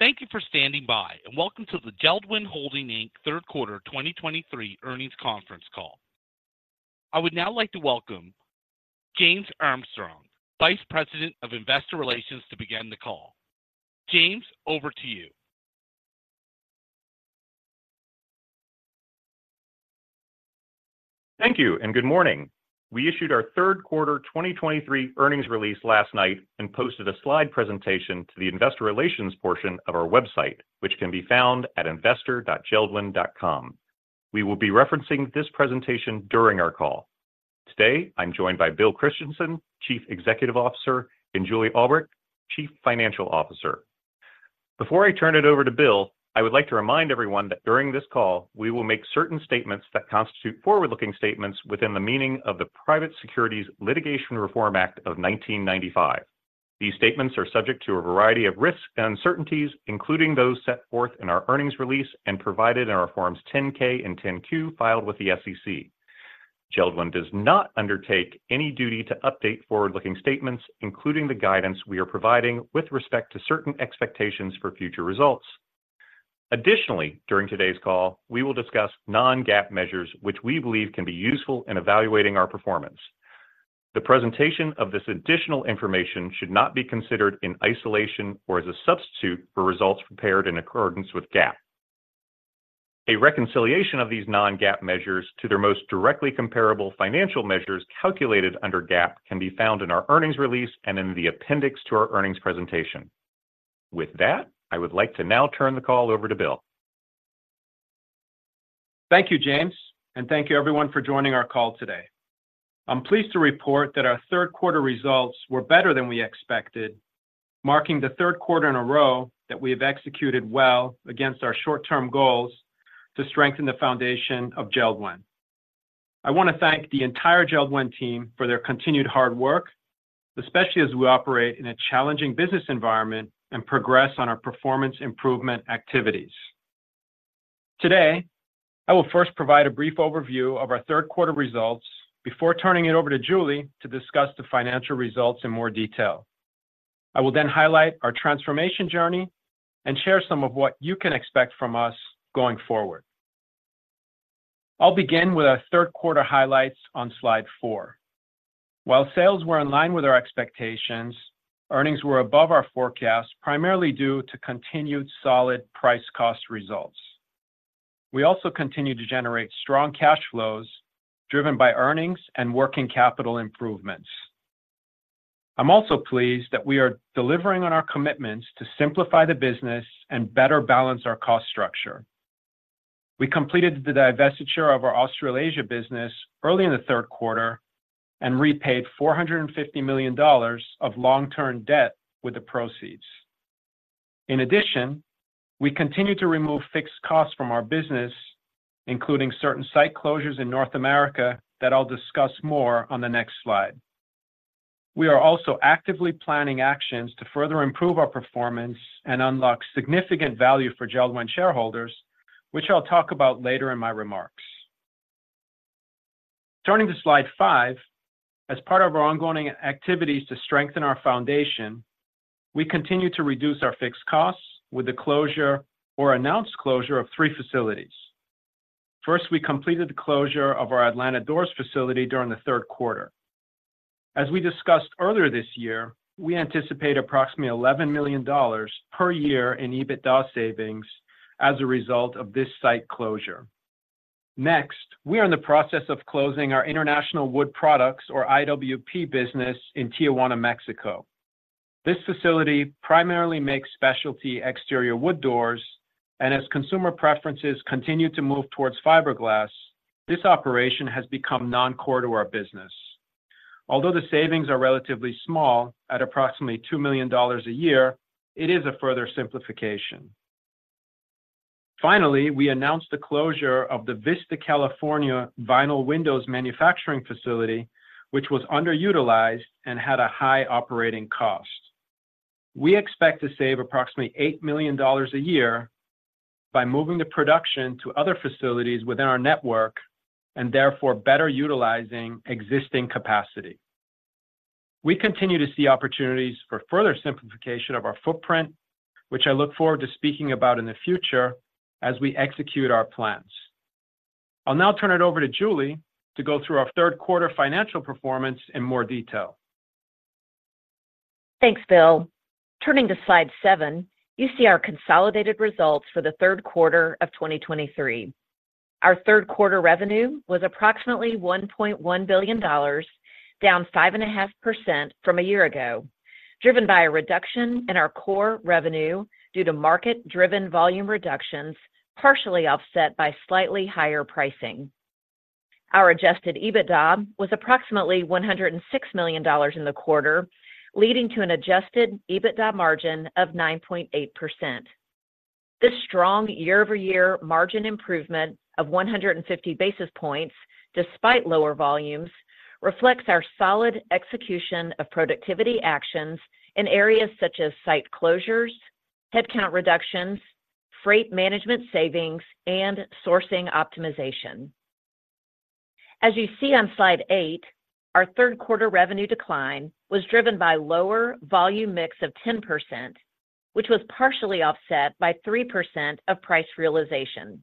Thank you for standing by, and welcome to the JELD-WEN Holding, Inc. third quarter 2023 earnings conference call. I would now like to welcome James Armstrong, Vice President of Investor Relations, to begin the call. James, over to you. Thank you and good morning. We issued our third quarter 2023 earnings release last night and posted a slide presentation to the investor relations portion of our website, which can be found at investor.jeld-wen.com. We will be referencing this presentation during our call. Today, I'm joined by Bill Christensen, Chief Executive Officer, and Julie Albrecht, Chief Financial Officer. Before I turn it over to Bill, I would like to remind everyone that during this call, we will make certain statements that constitute forward-looking statements within the meaning of the Private Securities Litigation Reform Act of 1995. These statements are subject to a variety of risks and uncertainties, including those set forth in our earnings release and provided in our Forms 10-K and 10-Q filed with the SEC. JELD-WEN does not undertake any duty to update forward-looking statements, including the guidance we are providing with respect to certain expectations for future results. Additionally, during today's call, we will discuss non-GAAP measures, which we believe can be useful in evaluating our performance. The presentation of this additional information should not be considered in isolation or as a substitute for results prepared in accordance with GAAP. A reconciliation of these non-GAAP measures to their most directly comparable financial measures calculated under GAAP can be found in our earnings release and in the appendix to our earnings presentation. With that, I would like to now turn the call over to Bill. Thank you, James, and thank you everyone for joining our call today. I'm pleased to report that our third quarter results were better than we expected, marking the third quarter in a row that we have executed well against our short-term goals to strengthen the foundation of JELD-WEN. I want to thank the entire JELD-WEN team for their continued hard work, especially as we operate in a challenging business environment and progress on our performance improvement activities. Today, I will first provide a brief overview of our third quarter results before turning it over to Julie to discuss the financial results in more detail. I will then highlight our transformation journey and share some of what you can expect from us going forward. I'll begin with our third quarter highlights on slide 4. While sales were in line with our expectations, earnings were above our forecast, primarily due to continued solid price-cost results. We also continued to generate strong cash flows, driven by earnings and working capital improvements. I'm also pleased that we are delivering on our commitments to simplify the business and better balance our cost structure. We completed the divestiture of our Australasia business early in the third quarter and repaid $450 million of long-term debt with the proceeds. In addition, we continue to remove fixed costs from our business, including certain site closures in North America that I'll discuss more on the next slide. We are also actively planning actions to further improve our performance and unlock significant value for JELD-WEN shareholders, which I'll talk about later in my remarks. Turning to slide 5, as part of our ongoing activities to strengthen our foundation, we continue to reduce our fixed costs with the closure or announced closure of 3 facilities. First, we completed the closure of our Atlanta doors facility during the third quarter. As we discussed earlier this year, we anticipate approximately $11 million per year in EBITDA savings as a result of this site closure. Next, we are in the process of closing our International Wood Products, or IWP, business in Tijuana, Mexico. This facility primarily makes specialty exterior wood doors, and as consumer preferences continue to move towards fiberglass, this operation has become non-core to our business. Although the savings are relatively small, at approximately $2 million a year, it is a further simplification. Finally, we announced the closure of the Vista, California, Vinyl Windows manufacturing facility, which was underutilized and had a high operating cost. We expect to save approximately $8 million a year by moving the production to other facilities within our network and therefore better utilizing existing capacity. We continue to see opportunities for further simplification of our footprint, which I look forward to speaking about in the future as we execute our plans. I'll now turn it over to Julie to go through our third quarter financial performance in more detail. Thanks, Bill. Turning to slide 7, you see our consolidated results for the third quarter of 2023. Our third quarter revenue was approximately $1.1 billion, down 5.5% from a year ago, driven by a reduction in our core revenue due to market-driven volume reductions, partially offset by slightly higher pricing. Our adjusted EBITDA was approximately $106 million in the quarter, leading to an adjusted EBITDA margin of 9.8%. This strong year-over-year margin improvement of 150 basis points, despite lower volumes, reflects our solid execution of productivity actions in areas such as site closures, headcount reductions, freight management savings, and sourcing optimization.... As you see on slide 8, our third quarter revenue decline was driven by lower volume mix of 10%, which was partially offset by 3% of price realization.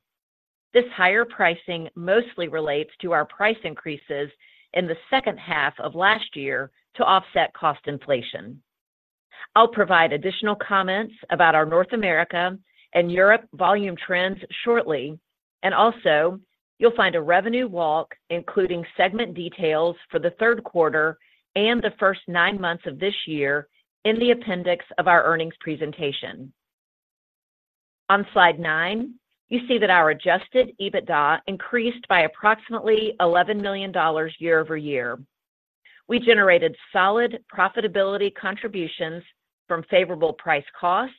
This higher pricing mostly relates to our price increases in the second half of last year to offset cost inflation. I'll provide additional comments about our North America and Europe volume trends shortly, and also, you'll find a revenue walk, including segment details for the third quarter and the first nine months of this year in the appendix of our earnings presentation. On Slide nine, you see that our Adjusted EBITDA increased by approximately $11 million year-over-year. We generated solid profitability contributions from favorable price cost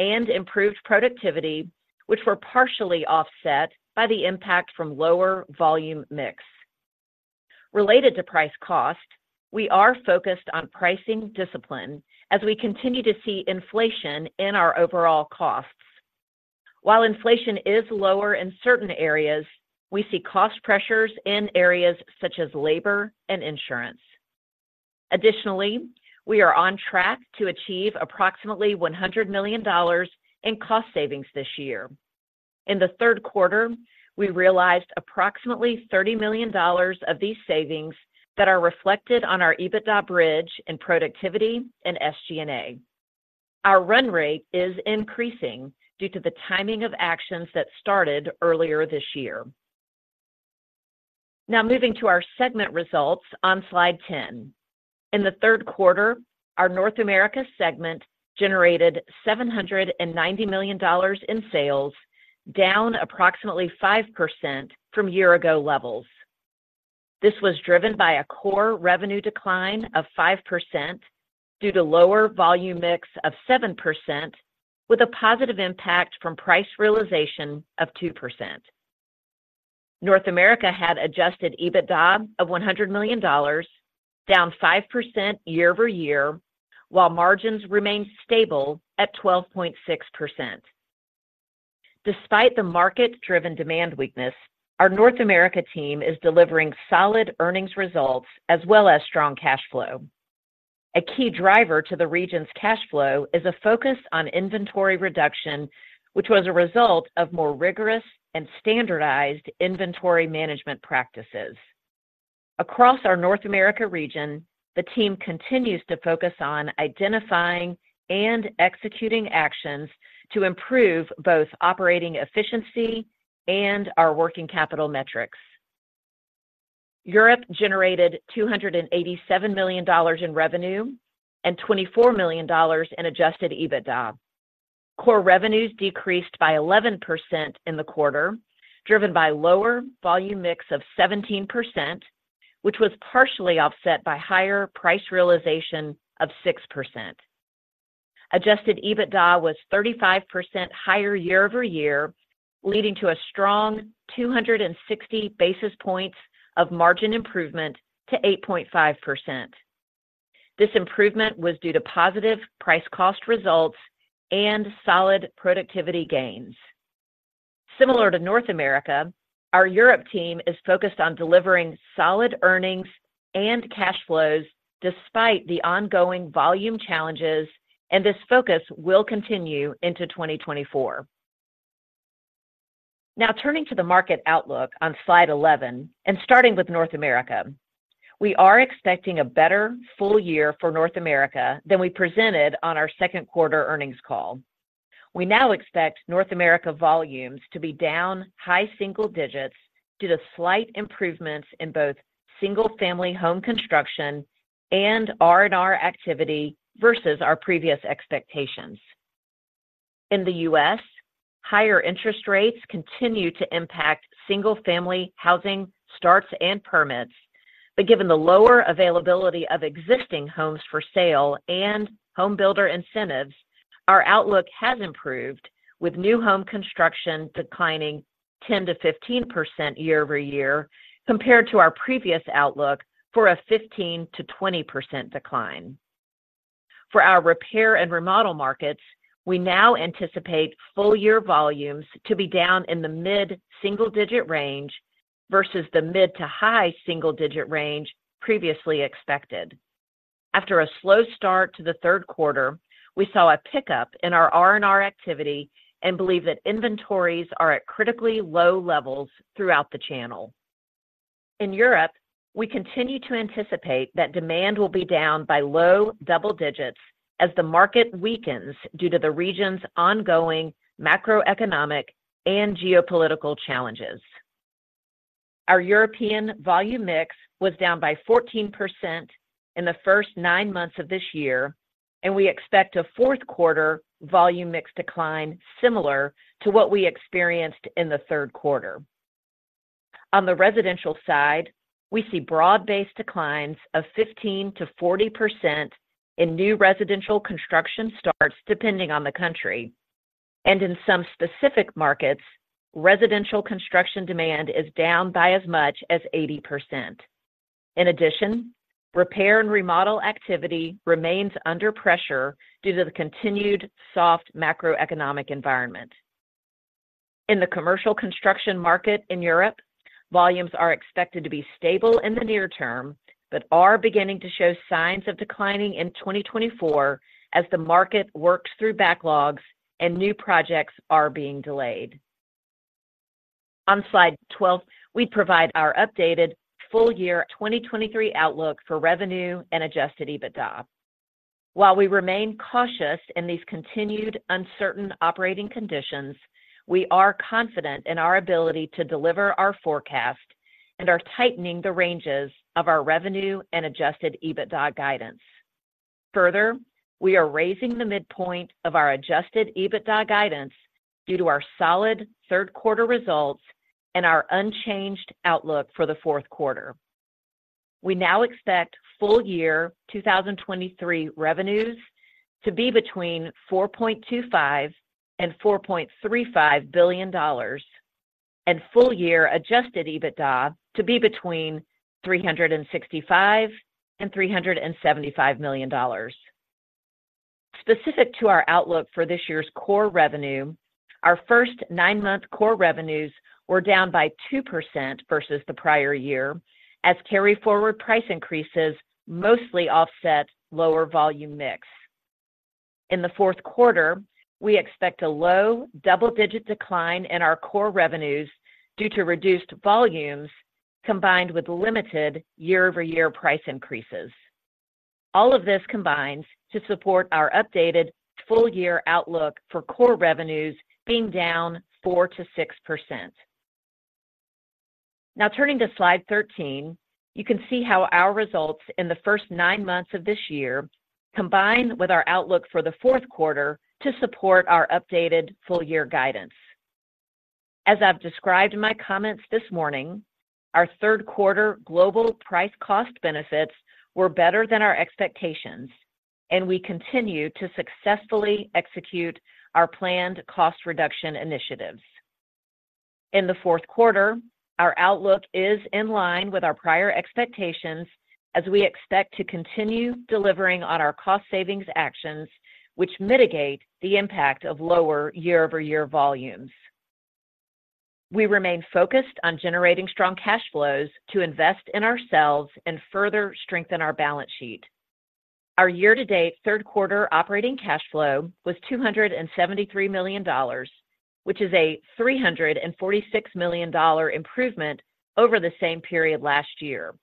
and improved productivity, which were partially offset by the impact from lower volume mix. Related to price cost, we are focused on pricing discipline as we continue to see inflation in our overall costs. While inflation is lower in certain areas, we see cost pressures in areas such as labor and insurance. Additionally, we are on track to achieve approximately $100 million in cost savings this year. In the third quarter, we realized approximately $30 million of these savings that are reflected on our EBITDA bridge in productivity and SG&A. Our run rate is increasing due to the timing of actions that started earlier this year. Now, moving to our segment results on Slide 10. In the third quarter, our North America segment generated $790 million in sales, down approximately 5% from year-ago levels. This was driven by a core revenue decline of 5% due to lower volume mix of 7%, with a positive impact from price realization of 2%. North America had adjusted EBITDA of $100 million, down 5% year-over-year, while margins remained stable at 12.6%. Despite the market-driven demand weakness, our North America team is delivering solid earnings results as well as strong cash flow. A key driver to the region's cash flow is a focus on inventory reduction, which was a result of more rigorous and standardized inventory management practices. Across our North America region, the team continues to focus on identifying and executing actions to improve both operating efficiency and our working capital metrics. Europe generated $287 million in revenue and $24 million in Adjusted EBITDA. Core revenues decreased by 11% in the quarter, driven by lower volume mix of 17%, which was partially offset by higher price realization of 6%. Adjusted EBITDA was 35% higher year-over-year, leading to a strong 260 basis points of margin improvement to 8.5%. This improvement was due to positive price cost results and solid productivity gains. Similar to North America, our Europe team is focused on delivering solid earnings and cash flows despite the ongoing volume challenges, and this focus will continue into 2024. Now, turning to the market outlook on Slide 11 and starting with North America. We are expecting a better full year for North America than we presented on our second quarter earnings call. We now expect North America volumes to be down high single digits due to slight improvements in both single-family home construction and R&R activity versus our previous expectations. In the U.S., higher interest rates continue to impact single-family housing starts and permits, but given the lower availability of existing homes for sale and home builder incentives, our outlook has improved, with new home construction declining 10%-15% year-over-year, compared to our previous outlook for a 15%-20% decline. For our repair and remodel markets, we now anticipate full-year volumes to be down in the mid-single-digit range versus the mid- to high-single-digit range previously expected. After a slow start to the third quarter, we saw a pickup in our R&R activity and believe that inventories are at critically low levels throughout the channel. In Europe, we continue to anticipate that demand will be down by low double digits as the market weakens due to the region's ongoing macroeconomic and geopolitical challenges. Our European volume mix was down by 14% in the first nine months of this year, and we expect a fourth quarter volume mix decline similar to what we experienced in the third quarter. On the residential side, we see broad-based declines of 15%-40% in new residential construction starts, depending on the country. In some specific markets, residential construction demand is down by as much as 80%. In addition, repair and remodel activity remains under pressure due to the continued soft macroeconomic environment. In the commercial construction market in Europe, volumes are expected to be stable in the near term, but are beginning to show signs of declining in 2024 as the market works through backlogs and new projects are being delayed. On Slide 12, we provide our updated full year 2023 outlook for revenue and Adjusted EBITDA. While we remain cautious in these continued uncertain operating conditions, we are confident in our ability to deliver our forecast and are tightening the ranges of our revenue and Adjusted EBITDA guidance. Further, we are raising the midpoint of our Adjusted EBITDA guidance due to our solid third quarter results and our unchanged outlook for the fourth quarter. We now expect full year 2023 revenues to be between $4.25 billion and $4.35 billion, and full year Adjusted EBITDA to be between $365 million and $375 million. Specific to our outlook for this year's core revenue, our first nine-month core revenues were down by 2% versus the prior year, as carry forward price increases mostly offset lower volume mix. In the fourth quarter, we expect a low double-digit decline in our core revenues due to reduced volumes, combined with limited year-over-year price increases. All of this combines to support our updated full year outlook for core revenues being down 4%-6%. Now, turning to slide 13, you can see how our results in the first 9 months of this year, combine with our outlook for the fourth quarter to support our updated full year guidance. As I've described in my comments this morning, our third quarter global price cost benefits were better than our expectations, and we continue to successfully execute our planned cost reduction initiatives. In the fourth quarter, our outlook is in line with our prior expectations as we expect to continue delivering on our cost savings actions, which mitigate the impact of lower year-over-year volumes. We remain focused on generating strong cash flows to invest in ourselves and further strengthen our balance sheet. Our year-to-date third quarter operating cash flow was $273 million, which is a $346 million improvement over the same period last year.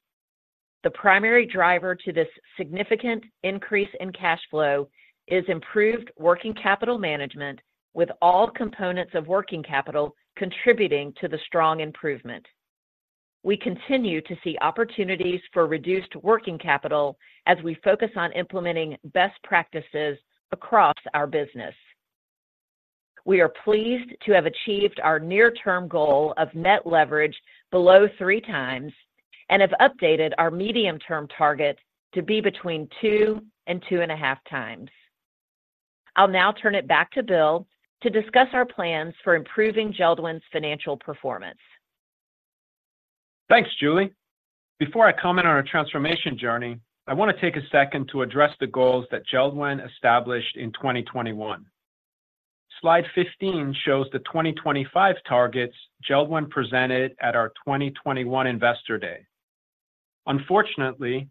The primary driver to this significant increase in cash flow is improved working capital management, with all components of working capital contributing to the strong improvement. We continue to see opportunities for reduced working capital as we focus on implementing best practices across our business. We are pleased to have achieved our near-term goal of net leverage below 3x, and have updated our medium-term target to be between 2x and 2.5x. I'll now turn it back to Bill to discuss our plans for improving JELD-WEN's financial performance. Thanks, Julie. Before I comment on our transformation journey, I want to take a second to address the goals that JELD-WEN established in 2021. Slide 15 shows the 2025 targets JELD-WEN presented at our 2021 Investor Day. Unfortunately,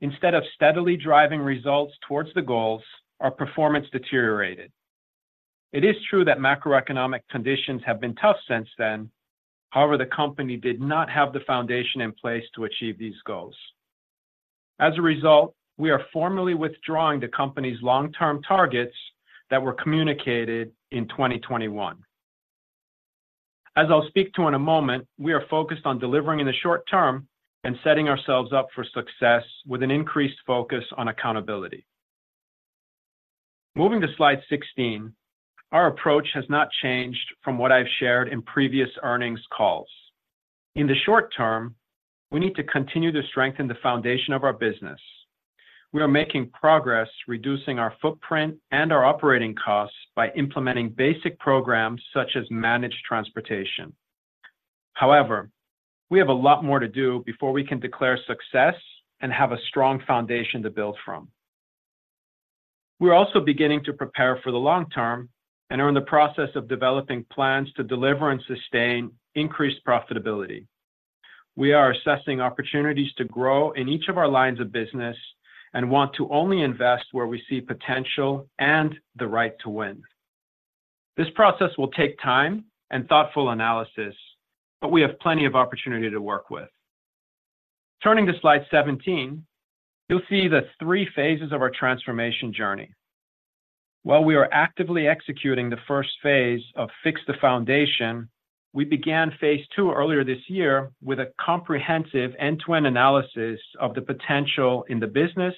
instead of steadily driving results towards the goals, our performance deteriorated. It is true that macroeconomic conditions have been tough since then. However, the company did not have the foundation in place to achieve these goals. As a result, we are formally withdrawing the company's long-term targets that were communicated in 2021. As I'll speak to in a moment, we are focused on delivering in the short term and setting ourselves up for success with an increased focus on accountability. Moving to slide 16, our approach has not changed from what I've shared in previous earnings calls. In the short term, we need to continue to strengthen the foundation of our business. We are making progress, reducing our footprint and our operating costs by implementing basic programs such as managed transportation. However, we have a lot more to do before we can declare success and have a strong foundation to build from. We're also beginning to prepare for the long term and are in the process of developing plans to deliver and sustain increased profitability. We are assessing opportunities to grow in each of our lines of business and want to only invest where we see potential and the right to win. This process will take time and thoughtful analysis, but we have plenty of opportunity to work with. Turning to slide 17, you'll see the three phases of our transformation journey. While we are actively executing the first phase of fix the foundation, we began phase two earlier this year with a comprehensive end-to-end analysis of the potential in the business,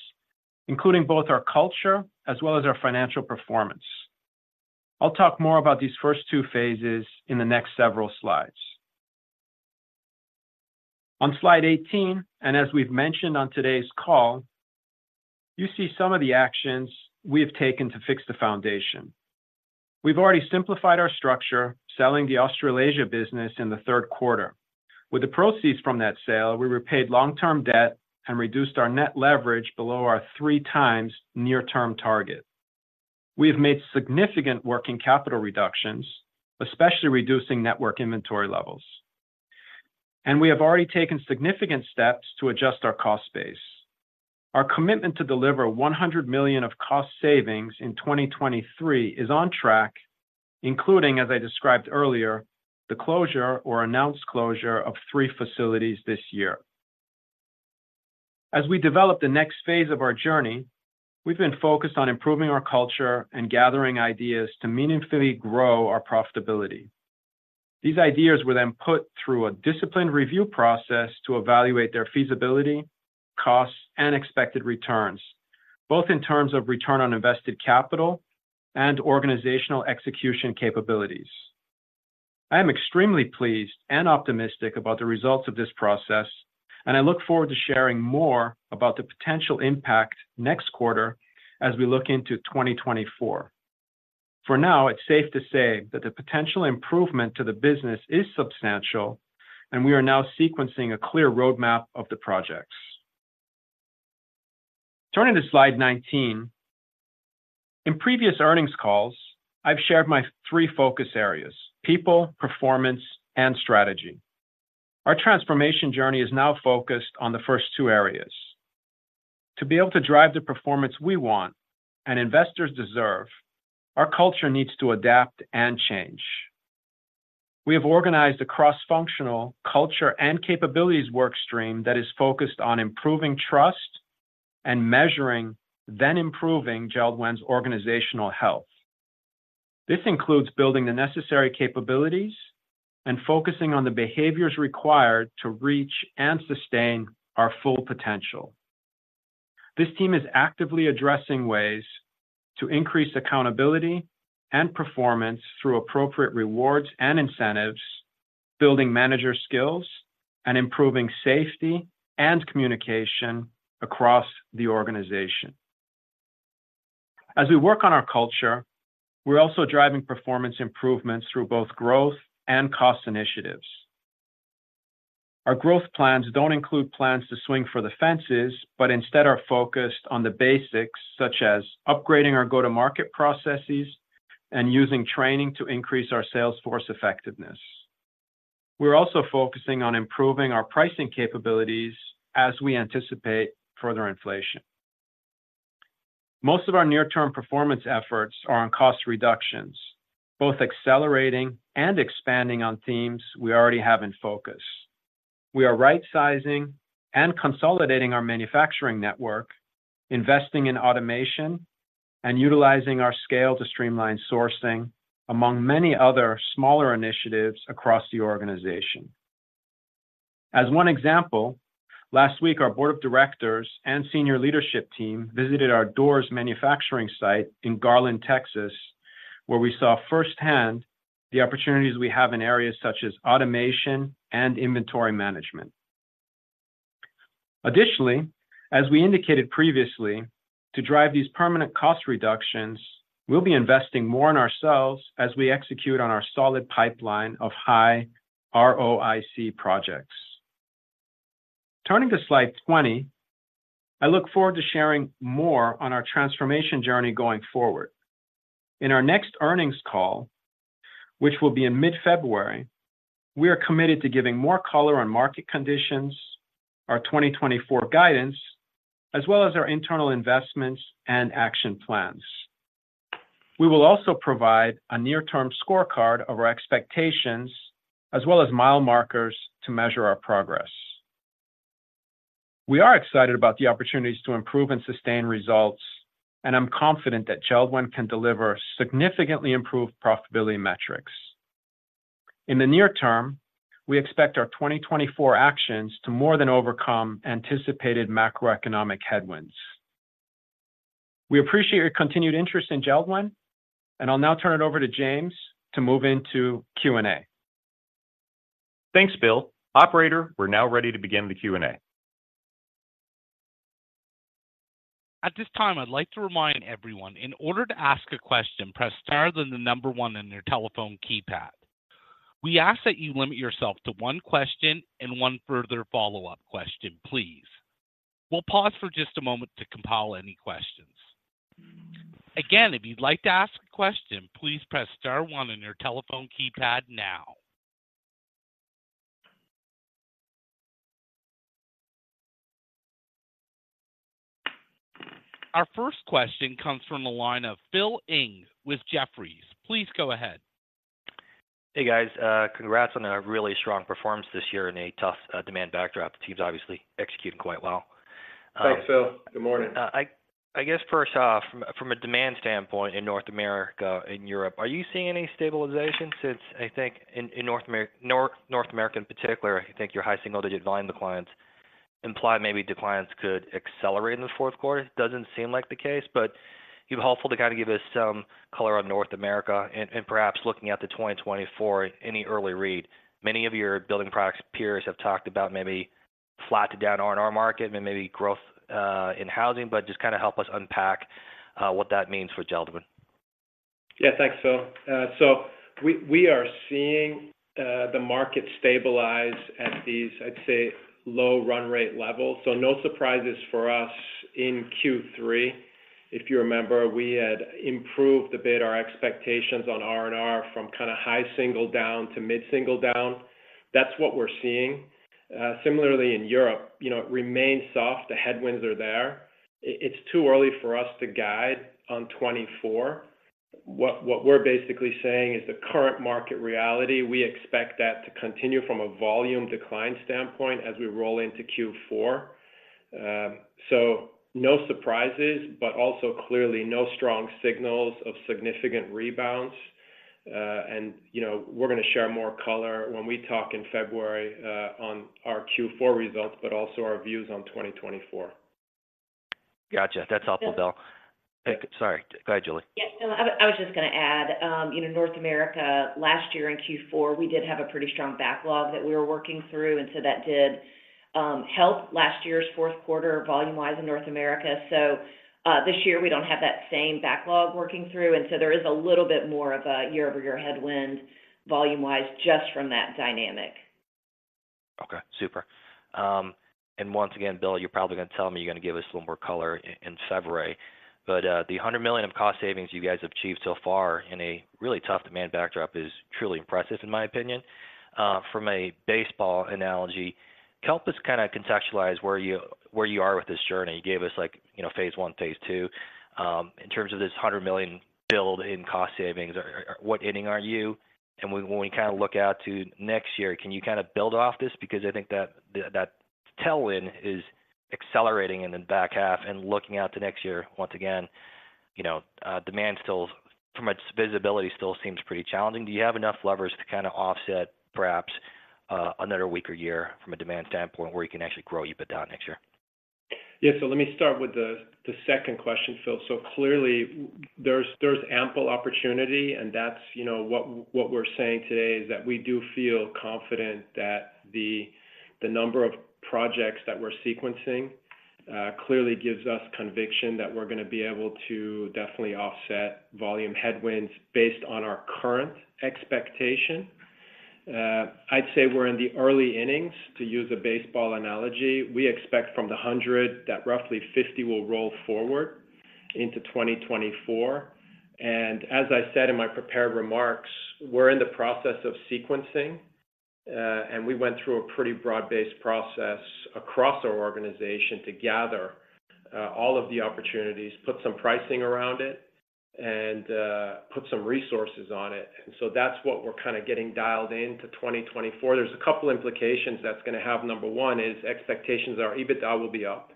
including both our culture as well as our financial performance. I'll talk more about these first two phases in the next several slides. On slide 18, and as we've mentioned on today's call, you see some of the actions we have taken to fix the foundation. We've already simplified our structure, selling the Australasia business in the third quarter. With the proceeds from that sale, we repaid long-term debt and reduced our net leverage below our 3x near-term target. We have made significant working capital reductions, especially reducing network inventory levels, and we have already taken significant steps to adjust our cost base. Our commitment to deliver $100 million of cost savings in 2023 is on track, including, as I described earlier, the closure or announced closure of three facilities this year. As we develop the next phase of our journey, we've been focused on improving our culture and gathering ideas to meaningfully grow our profitability. These ideas were then put through a disciplined review process to evaluate their feasibility, costs, and expected returns, both in terms of return on invested capital and organizational execution capabilities. I am extremely pleased and optimistic about the results of this process, and I look forward to sharing more about the potential impact next quarter as we look into 2024. For now, it's safe to say that the potential improvement to the business is substantial, and we are now sequencing a clear roadmap of the projects. Turning to slide 19. In previous earnings calls, I've shared my three focus areas: people, performance, and strategy. Our transformation journey is now focused on the first two areas. To be able to drive the performance we want and investors deserve, our culture needs to adapt and change. We have organized a cross-functional culture and capabilities work stream that is focused on improving trust and measuring, then improving JELD-WEN's organizational health. This includes building the necessary capabilities and focusing on the behaviors required to reach and sustain our full potential. This team is actively addressing ways to increase accountability and performance through appropriate rewards and incentives, building manager skills, and improving safety and communication across the organization. As we work on our culture, we're also driving performance improvements through both growth and cost initiatives. Our growth plans don't include plans to swing for the fences, but instead are focused on the basics, such as upgrading our go-to-market processes and using training to increase our sales force effectiveness. We're also focusing on improving our pricing capabilities as we anticipate further inflation. Most of our near-term performance efforts are on cost reductions, both accelerating and expanding on themes we already have in focus. We are right-sizing and consolidating our manufacturing network, investing in automation, and utilizing our scale to streamline sourcing, among many other smaller initiatives across the organization. As one example, last week, our board of directors and senior leadership team visited our doors manufacturing site in Garland, Texas, where we saw firsthand the opportunities we have in areas such as automation and inventory management. Additionally, as we indicated previously, to drive these permanent cost reductions, we'll be investing more in ourselves as we execute on our solid pipeline of high ROIC projects. Turning to slide 20, I look forward to sharing more on our transformation journey going forward. In our next earnings call, which will be in mid-February, we are committed to giving more color on market conditions, our 2024 guidance, as well as our internal investments and action plans. We will also provide a near-term scorecard of our expectations, as well as mile markers to measure our progress. We are excited about the opportunities to improve and sustain results, and I'm confident that JELD-WEN can deliver significantly improved profitability metrics. In the near term, we expect our 2024 actions to more than overcome anticipated macroeconomic headwinds. We appreciate your continued interest in JELD-WEN, and I'll now turn it over to James to move into Q&A. Thanks, Bill. Operator, we're now ready to begin the Q&A. At this time, I'd like to remind everyone, in order to ask a question, press star, then one on your telephone keypad. We ask that you limit yourself to one question and one further follow-up question, please. We'll pause for just a moment to compile any questions. Again, if you'd like to ask a question, please press star 1 on your telephone keypad now. Our first question comes from the line of Phil Ng with Jefferies. Please go ahead. Hey, guys. Congrats on a really strong performance this year in a tough demand backdrop. The team's obviously executing quite well. Thanks, Phil. Good morning. I guess first off, from a demand standpoint in North America and Europe, are you seeing any stabilization since I think in North America in particular, I think your high single-digit volume declines imply maybe declines could accelerate in the fourth quarter? Doesn't seem like the case, but. It'd be helpful to kind of give us some color on North America and perhaps looking at the 2024, any early read. Many of your building products peers have talked about maybe flat to down R&R market and maybe growth in housing, but just kind of help us unpack what that means for JELD-WEN. Yeah, thanks, Phil. So we are seeing the market stabilize at these, I'd say, low run rate levels, so no surprises for us in Q3. If you remember, we had improved a bit our expectations on R&R from kind of high single down to mid-single down. That's what we're seeing. Similarly in Europe, you know, it remains soft. The headwinds are there. It's too early for us to guide on 2024. What we're basically saying is the current market reality, we expect that to continue from a volume decline standpoint as we roll into Q4. So no surprises, but also clearly no strong signals of significant rebounds. And, you know, we're gonna share more color when we talk in February on our Q4 results, but also our views on 2024. Gotcha. That's helpful, Bill. Yeah- Sorry. Go ahead, Julie. Yeah. I was just gonna add, you know, North America, last year in Q4, we did have a pretty strong backlog that we were working through, and so that did help last year's fourth quarter volume-wise in North America. So, this year, we don't have that same backlog working through, and so there is a little bit more of a year-over-year headwind volume-wise just from that dynamic. Okay, super. And once again, Bill, you're probably gonna tell me you're gonna give us a little more color in February, but the $100 million of cost savings you guys have achieved so far in a really tough demand backdrop is truly impressive, in my opinion. From a baseball analogy, help us kind of contextualize where you, where you are with this journey. You gave us, like, you know, phase one, phase two. In terms of this $100 million build in cost savings, what inning are you? And when we kind of look out to next year, can you kind of build off this? Because I think that the, that tailwind is accelerating in the back half. And looking out to next year, once again, you know, demand still, from its visibility, still seems pretty challenging. Do you have enough levers to kind of offset perhaps another weaker year from a demand standpoint, where you can actually grow EBITDA next year? Yeah, so let me start with the second question, Phil. So clearly, there's ample opportunity, and that's, you know, what we're saying today, is that we do feel confident that the number of projects that we're sequencing clearly gives us conviction that we're gonna be able to definitely offset volume headwinds based on our current expectation. I'd say we're in the early innings, to use a baseball analogy. We expect from the 100, that roughly 50 will roll forward into 2024. And as I said in my prepared remarks, we're in the process of sequencing, and we went through a pretty broad-based process across our organization to gather all of the opportunities, put some pricing around it, and put some resources on it. And so that's what we're kind of getting dialed in to 2024. There's a couple implications that's gonna have. Number one is expectations on our EBITDA will be up.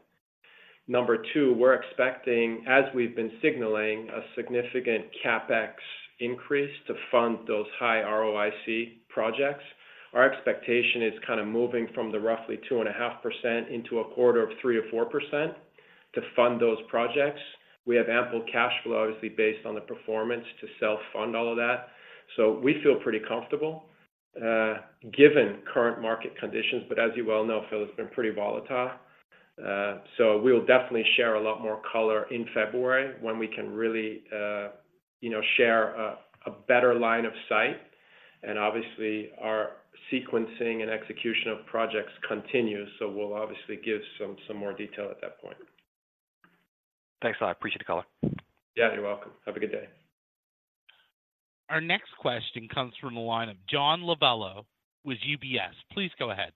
Number two, we're expecting, as we've been signaling, a significant CapEx increase to fund those high ROIC projects. Our expectation is kind of moving from the roughly 2.5% into a quarter of 3%-4% to fund those projects. We have ample cash flow, obviously, based on the performance, to self-fund all of that. So we feel pretty comfortable, given current market conditions. But as you well know, Phil, it's been pretty volatile. So we'll definitely share a lot more color in February when we can really, you know, share a better line of sight. And obviously, our sequencing and execution of projects continues, so we'll obviously give some more detail at that point. Thanks a lot. I appreciate the color. Yeah, you're welcome. Have a good day. Our next question comes from the line of John Lovello with UBS. Please go ahead.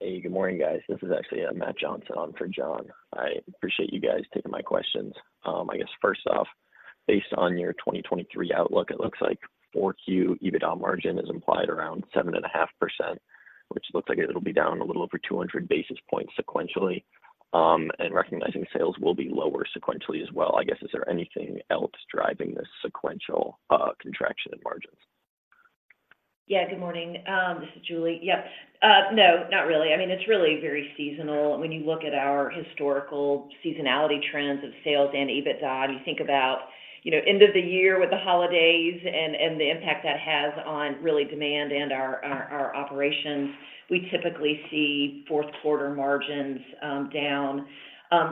Hey, good morning, guys. This is actually Matt Johnson on for John. I appreciate you guys taking my questions. I guess first off, based on your 2023 outlook, it looks like 4Q EBITDA margin is implied around 7.5%, which looks like it'll be down a little over 200 basis points sequentially. And recognizing sales will be lower sequentially as well, I guess, is there anything else driving this sequential contraction in margins? Yeah. Good morning. This is Julie. Yeah, no, not really. I mean, it's really very seasonal when you look at our historical seasonality trends of sales and EBITDA. You think about, you know, end of the year with the holidays and, and the impact that has on really demand and our operations. We typically see fourth quarter margins, down.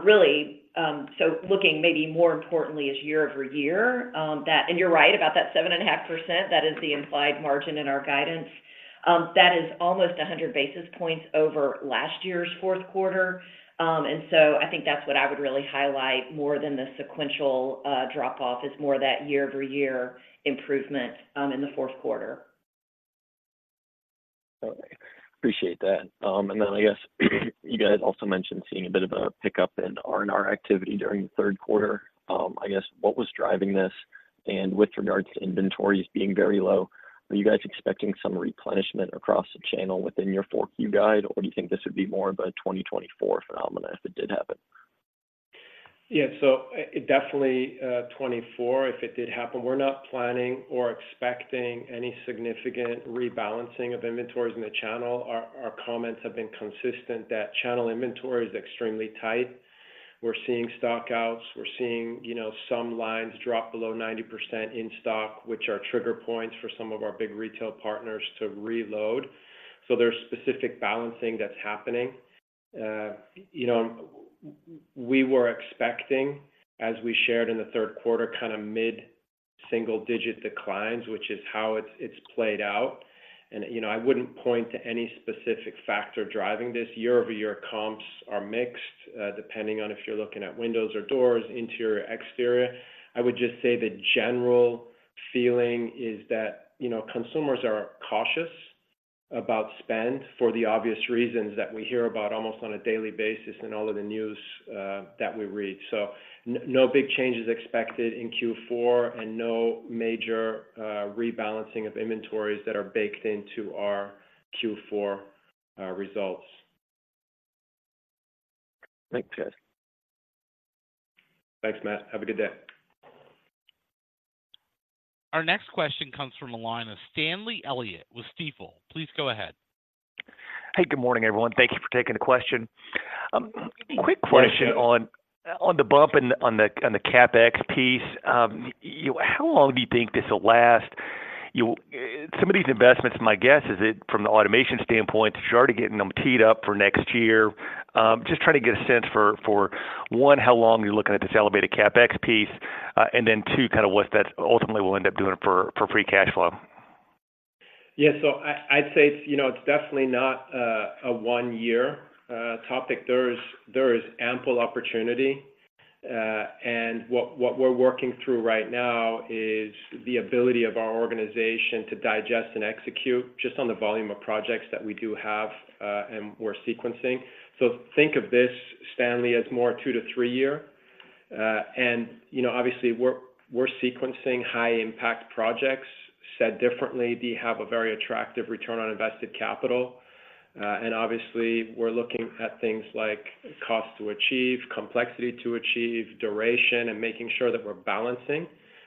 Really, so looking maybe more importantly is year-over-year, that... And you're right about that 7.5%, that is the implied margin in our guidance. That is almost 100 basis points over last year's fourth quarter. And so I think that's what I would really highlight more than the sequential, drop off. It's more that year-over-year improvement, in the fourth quarter. Okay. Appreciate that. And then I guess, you guys also mentioned seeing a bit of a pickup in R&R activity during the third quarter. I guess, what was driving this? And with regards to inventories being very low, are you guys expecting some replenishment across the channel within your 4Q guide, or do you think this would be more of a 2024 phenomenon if it did happen? Yeah. So, definitely, 2024, if it did happen, we're not planning or expecting any significant rebalancing of inventories in the channel. Our comments have been consistent that channel inventory is extremely tight. We're seeing stock outs. We're seeing, you know, some lines drop below 90% in stock, which are trigger points for some of our big retail partners to reload. So there's specific balancing that's happening. You know, we were expecting, as we shared in the third quarter, kind of mid-single-digit declines, which is how it's played out. You know, I wouldn't point to any specific factor driving this. Year-over-year comps are mixed, depending on if you're looking at windows or doors, interior, exterior. I would just say the general feeling is that, you know, consumers are cautious about spend for the obvious reasons that we hear about almost on a daily basis in all of the news, that we read. So no big changes expected in Q4 and no major rebalancing of inventories that are baked into our Q4 results. Thanks, Jeff. Thanks, Matt. Have a good day. Our next question comes from the line of Stanley Elliott with Stifel. Please go ahead. Hey, good morning, everyone. Thank you for taking the question. Quick question on the bump on the CapEx piece. How long do you think this will last? Some of these investments, my guess, is it from the automation standpoint, that you're already getting them teed up for next year. Just trying to get a sense for one, how long you're looking at this elevated CapEx piece, and then, two, kind of what that ultimately will end up doing for free cash flow. Yeah. So I'd say, you know, it's definitely not a one year topic. There is ample opportunity, and what we're working through right now is the ability of our organization to digest and execute just on the volume of projects that we do have, and we're sequencing. So think of this, Stanley, as more two- to three-year. And you know, obviously, we're sequencing high-impact projects. Said differently, we have a very attractive Return on Invested Capital, and obviously, we're looking at things like cost to achieve, complexity to achieve, duration, and making sure that we're balancing.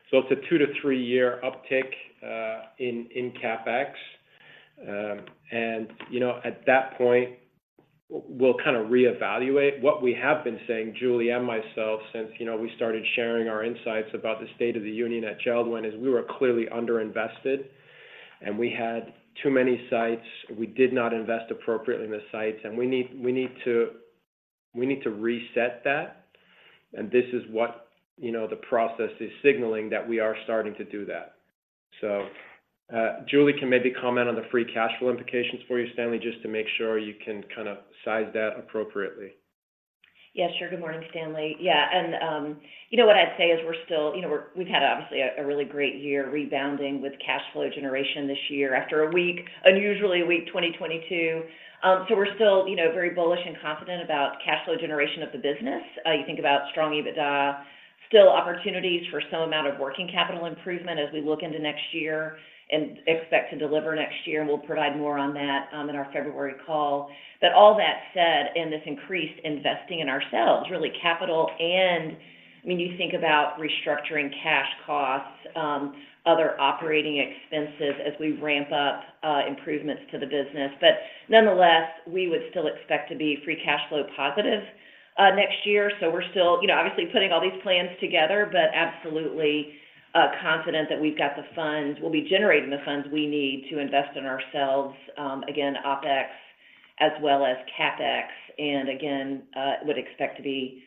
So it's a two to three year uptick in CapEx. And you know, at that point, we'll kind of reevaluate. What we have been saying, Julie and myself, since, you know, we started sharing our insights about the state of the union at JELD-WEN, is we were clearly underinvested, and we had too many sites. We did not invest appropriately in the sites, and we need, we need to, we need to reset that, and this is what, you know, the process is signaling that we are starting to do that. So, Julie can maybe comment on the free cash flow implications for you, Stanley, just to make sure you can kind of size that appropriately. Yeah, sure. Good morning, Stanley. Yeah, and, you know what I'd say is we're still, you know, we're-- we've had, obviously, a really great year rebounding with cash flow generation this year after a weak, unusually weak 2022. So we're still, you know, very bullish and confident about cash flow generation of the business. You think about strong EBITDA, still opportunities for some amount of working capital improvement as we look into next year and expect to deliver next year, and we'll provide more on that, in our February call. But all that said, and this increased investing in ourselves, really capital and when you think about restructuring cash costs, other operating expenses as we ramp up, improvements to the business. But nonetheless, we would still expect to be free cash flow positive, next year. We're still, you know, obviously, putting all these plans together, but absolutely confident that we've got the funds, we'll be generating the funds we need to invest in ourselves, again, OpEx as well as CapEx, and again, would expect to be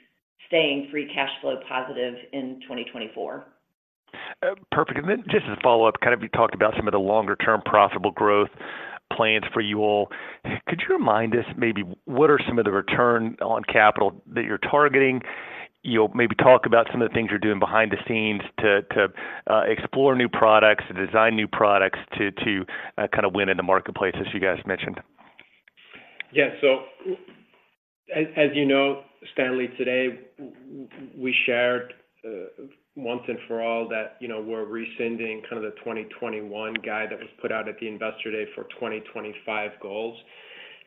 staying free cash flow positive in 2024. Perfect. And then just as a follow-up, kind of, you talked about some of the longer term profitable growth plans for you all. Could you remind us maybe what are some of the return on capital that you're targeting? You'll maybe talk about some of the things you're doing behind the scenes to explore new products, to design new products, to kind of win in the marketplace, as you guys mentioned. Yeah. So as you know, Stanley, today we shared once and for all that, you know, we're rescinding kind of the 2021 guide that was put out at the Investor Day for 2025 goals.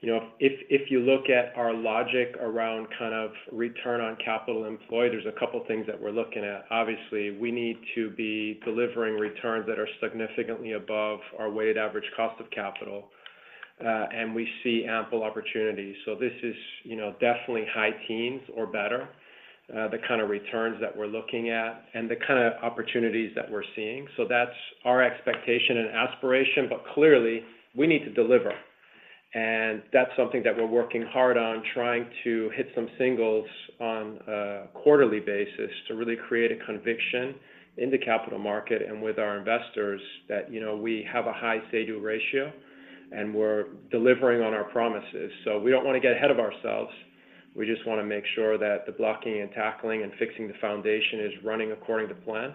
You know, if you look at our logic around kind of return on capital employed, there's a couple things that we're looking at. Obviously, we need to be delivering returns that are significantly above our weighted average cost of capital, and we see ample opportunities. So this is, you know, definitely high teens or better, the kind of returns that we're looking at and the kind of opportunities that we're seeing. So that's our expectation and aspiration, but clearly, we need to deliver, and that's something that we're working hard on trying to hit some singles on a quarterly basis to really create a conviction in the capital market and with our investors that, you know, we have a high Say-Do ratio, and we're delivering on our promises. So we don't want to get ahead of ourselves. We just want to make sure that the blocking and tackling and fixing the foundation is running according to plan.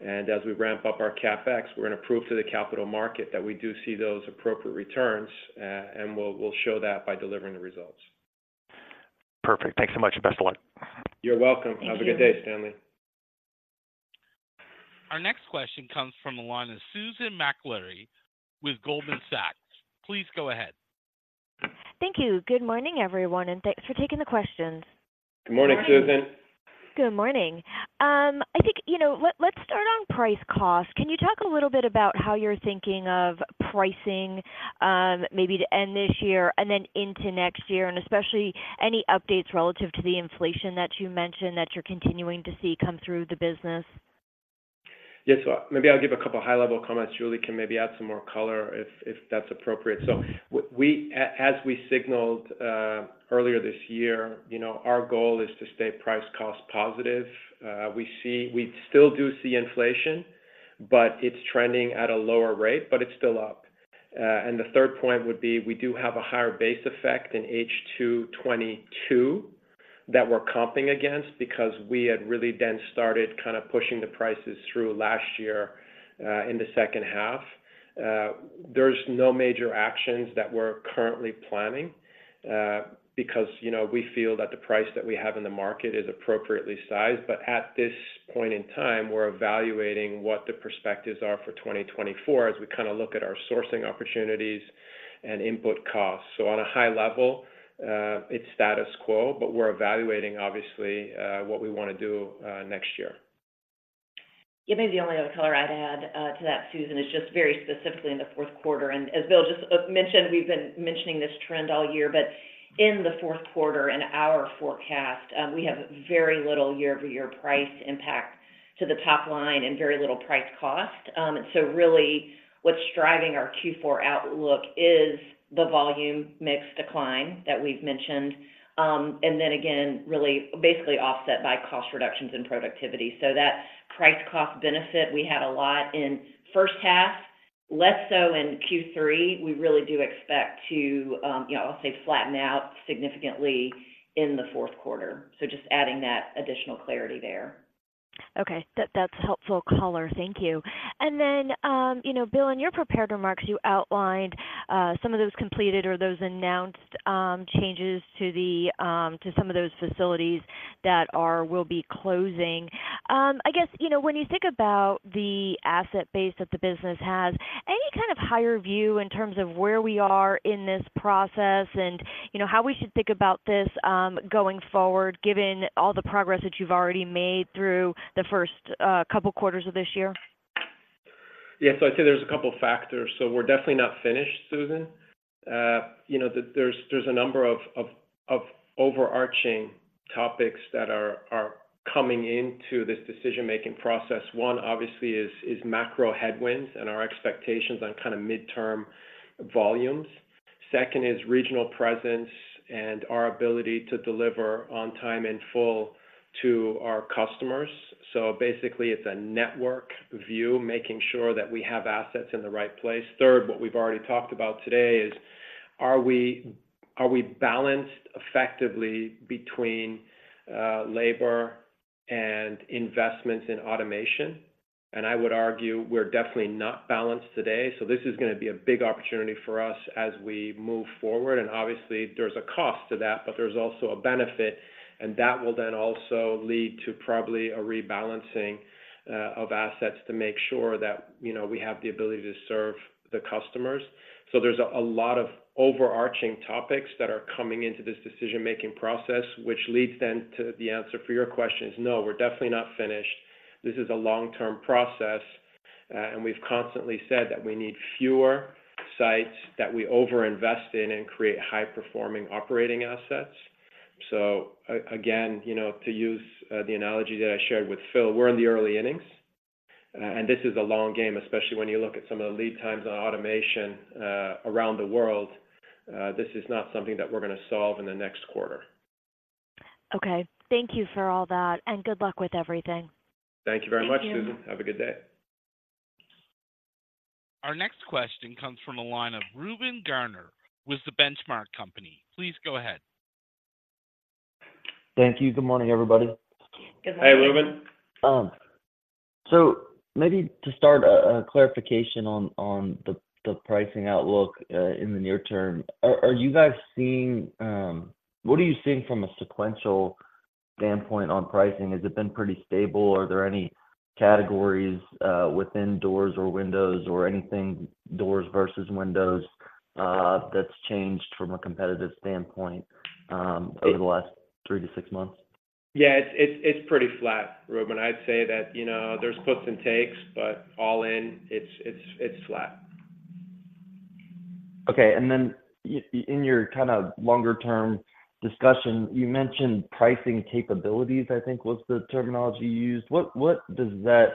And as we ramp up our CapEx, we're going to prove to the capital market that we do see those appropriate returns, and we'll, we'll show that by delivering the results. Perfect. Thanks so much, and best of luck. You're welcome. Thank you. Have a good day, Stanley. Our next question comes from the line of Susan Maklari with Goldman Sachs. Please go ahead. Thank you. Good morning, everyone, and thanks for taking the questions. Good morning, Susan. ... Good morning. I think, you know, let's start on price cost. Can you talk a little bit about how you're thinking of pricing, maybe to end this year and then into next year, and especially any updates relative to the inflation that you mentioned that you're continuing to see come through the business? Yes. Well, maybe I'll give a couple high-level comments. Julie can maybe add some more color if, if that's appropriate. So we, as we signaled, earlier this year, you know, our goal is to stay price cost positive. We see, we still do see inflation, but it's trending at a lower rate, but it's still up. And the third point would be, we do have a higher base effect in H2 2022 that we're comping against because we had really then started kind of pushing the prices through last year, in the second half. There's no major actions that we're currently planning, because, you know, we feel that the price that we have in the market is appropriately sized. But at this point in time, we're evaluating what the perspectives are for 2024 as we kinda look at our sourcing opportunities and input costs. So on a high level, it's status quo, but we're evaluating, obviously, what we want to do next year. Yeah, maybe the only other color I'd add to that, Susan, is just very specifically in the fourth quarter, and as Bill just mentioned, we've been mentioning this trend all year. But in the fourth quarter, in our forecast, we have very little year-over-year price impact to the top line and very little price cost. So really, what's driving our Q4 outlook is the volume mix decline that we've mentioned, and then again, really basically offset by cost reductions in productivity. So that price-cost benefit, we had a lot in first half, less so in Q3. We really do expect to, you know, I'll say, flatten out significantly in the fourth quarter. So just adding that additional clarity there. Okay. That's helpful color. Thank you. And then, you know, Bill, in your prepared remarks, you outlined some of those completed or those announced changes to some of those facilities that will be closing. I guess, you know, when you think about the asset base that the business has, any kind of higher view in terms of where we are in this process and, you know, how we should think about this going forward, given all the progress that you've already made through the first couple quarters of this year? Yeah. So I'd say there's a couple factors. So we're definitely not finished, Susan. You know, there's a number of overarching topics that are coming into this decision-making process. One, obviously, is macro headwinds and our expectations on kind of midterm volumes. Second is regional presence and our ability to deliver on time and full to our customers. So basically, it's a network view, making sure that we have assets in the right place. Third, what we've already talked about today is, are we balanced effectively between labor and investments in automation? And I would argue we're definitely not balanced today. So this is gonna be a big opportunity for us as we move forward. Obviously, there's a cost to that, but there's also a benefit, and that will then also lead to probably a rebalancing of assets to make sure that, you know, we have the ability to serve the customers. So there's a lot of overarching topics that are coming into this decision-making process, which leads then to the answer for your question, which is, no, we're definitely not finished. This is a long-term process, and we've constantly said that we need fewer sites that we overinvest in and create high-performing operating assets. So again, you know, to use the analogy that I shared with Phil, we're in the early innings, and this is a long game, especially when you look at some of the lead times on automation around the world. This is not something that we're gonna solve in the next quarter. Okay. Thank you for all that, and good luck with everything. Thank you very much- Thank you. Susan. Have a good day. Our next question comes from the line of Reuben Garner with The Benchmark Company. Please go ahead. Thank you. Good morning, everybody. Good morning. Hi, Reuben. So maybe to start, a clarification on the pricing outlook in the near term. Are you guys seeing... What are you seeing from a sequential standpoint on pricing? Has it been pretty stable, or are there any categories within doors or windows or anything, doors versus windows, that's changed from a competitive standpoint over the last three to six months? Yeah, it's pretty flat, Reuben. I'd say that, you know, there's puts and takes, but all in, it's flat. Okay. And then in your kind of longer-term discussion, you mentioned pricing capabilities, I think, was the terminology you used. What, what does that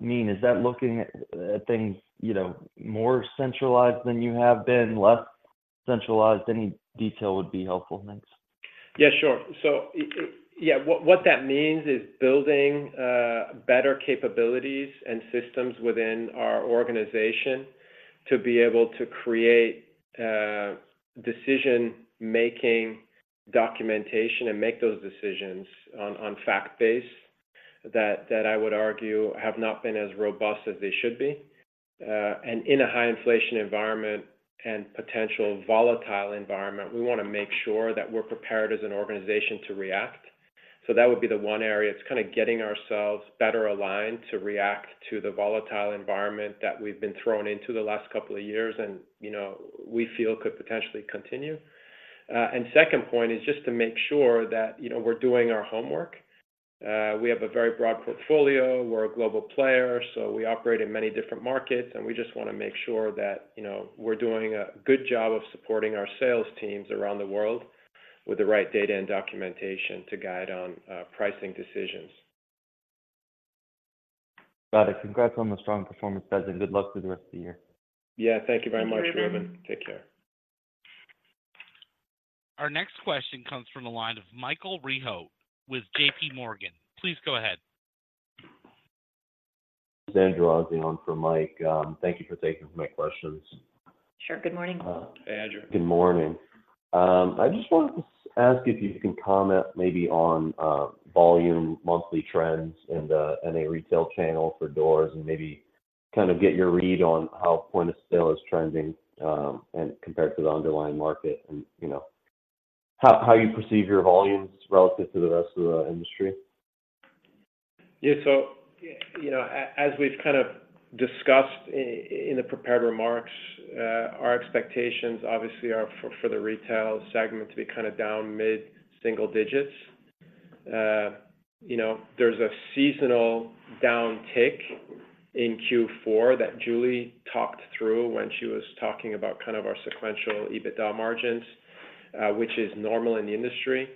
mean? Is that looking at, at things, you know, more centralized than you have been, less centralized? Any detail would be helpful. Thanks. Yeah, sure. So yeah, what that means is building better capabilities and systems within our organization to be able to create decision-making documentation and make those decisions on fact base, that I would argue have not been as robust as they should be. And in a high inflation environment and potential volatile environment, we want to make sure that we're prepared as an organization to react. So that would be the one area. It's kind of getting ourselves better aligned to react to the volatile environment that we've been thrown into the last couple of years and, you know, we feel could potentially continue. And second point is just to make sure that, you know, we're doing our homework. We have a very broad portfolio. We're a global player, so we operate in many different markets, and we just wanna make sure that, you know, we're doing a good job of supporting our sales teams around the world with the right data and documentation to guide on pricing decisions. Got it. Congrats on the strong performance, guys, and good luck with the rest of the year. Yeah, thank you very much, Reuben. Take care. Our next question comes from the line of Michael Rehaut with JPMorgan. Please go ahead. It's Andrew Azzi on for Mike. Thank you for taking my questions. Sure. Good morning. Hey, Andrew. Good morning. I just wanted to ask if you can comment maybe on volume monthly trends in the—in a retail channel for doors, and maybe kind of get your read on how point-of-sale is trending, and compared to the underlying market, and, you know, how you perceive your volumes relative to the rest of the industry? Yeah. So, you know, as we've kind of discussed in the prepared remarks, our expectations obviously are for the retail segment to be kind of down mid-single digits. You know, there's a seasonal down tick in Q4 that Julie talked through when she was talking about kind of our sequential EBITDA margins, which is normal in the industry.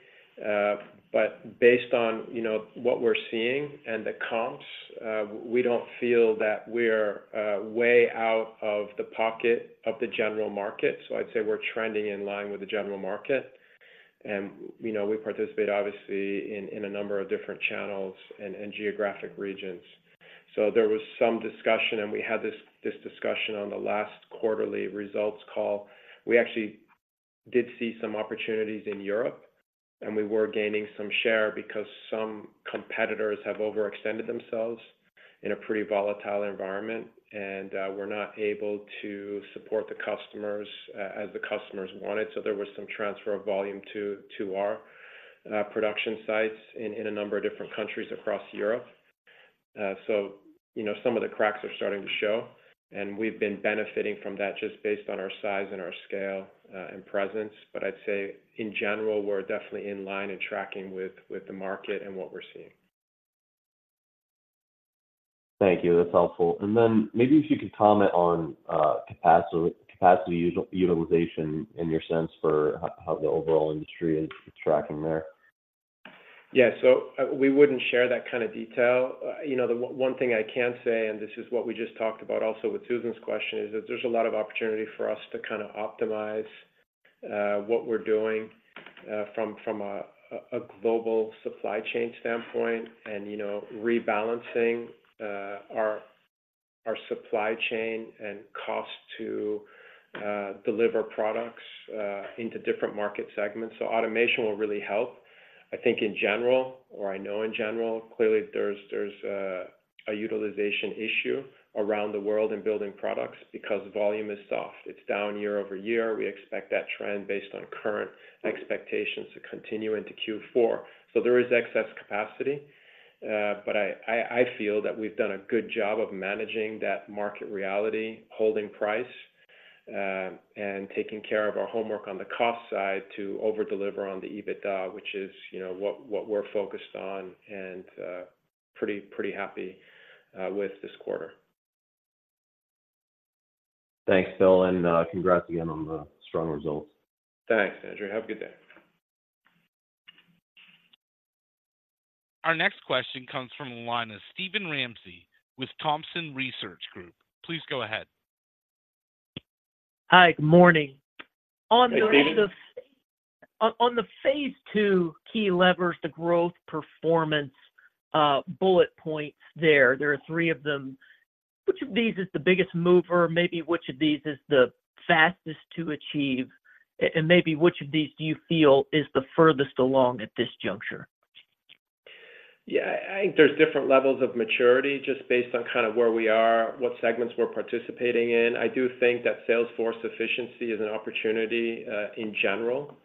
But based on, you know, what we're seeing and the comps, we don't feel that we're way out of the pocket of the general market. So I'd say we're trending in line with the general market, and, you know, we participate, obviously, in a number of different channels and geographic regions. So there was some discussion, and we had this discussion on the last quarterly results call. We actually did see some opportunities in Europe, and we were gaining some share because some competitors have overextended themselves in a pretty volatile environment, and we're not able to support the customers as the customers wanted. So there was some transfer of volume to our production sites in a number of different countries across Europe. So, you know, some of the cracks are starting to show, and we've been benefiting from that just based on our size and our scale, and presence. But I'd say, in general, we're definitely in line and tracking with the market and what we're seeing. Thank you. That's helpful. And then maybe if you could comment on capacity utilization in your sense for how the overall industry is tracking there. Yeah. So, we wouldn't share that kind of detail. You know, the one thing I can say, and this is what we just talked about also with Susan's question, is that there's a lot of opportunity for us to kind of optimize what we're doing from a global supply chain standpoint and, you know, rebalancing our supply chain and cost to deliver products into different market segments. So automation will really help. I think in general, or I know in general, clearly, there's a utilization issue around the world in building products because volume is soft. It's down year over year. We expect that trend based on current expectations to continue into Q4. So there is excess capacity, but I feel that we've done a good job of managing that market reality, holding price, and taking care of our homework on the cost side to over-deliver on the EBITDA, which is, you know, what we're focused on, and pretty happy with this quarter. Thanks, Bill, and congrats again on the strong results. Thanks, Andrew. Have a good day. Our next question comes from the line of Steven Ramsey with Thompson Research Group. Please go ahead. Hi, good morning. Hey, Steven. On the phase two key levers, the growth performance bullet points there, there are three of them. Which of these is the biggest mover, maybe which of these is the fastest to achieve, and maybe which of these do you feel is the furthest along at this juncture? Yeah, I think there's different levels of maturity just based on kind of where we are, what segments we're participating in. I do think that sales force efficiency is an opportunity, in general,